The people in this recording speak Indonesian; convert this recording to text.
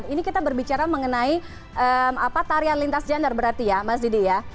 ini kita berbicara mengenai tarian lintas gender berarti ya mas didi ya